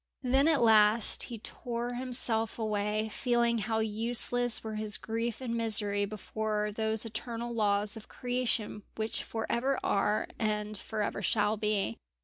Then at last he tore himself away, feeling how useless were his grief and misery before those eternal laws of creation which for ever are, and for ever shall be.